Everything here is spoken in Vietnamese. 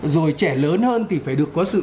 rồi trẻ lớn hơn thì phải được có sự